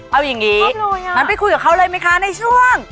เอาอย่างนี้งั้นไปคุยกับเขาเลยไหมคะในช่วง